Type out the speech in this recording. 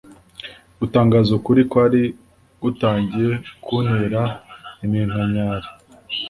gutangaza ukuri kwari gutangiye kuntera iminkanyari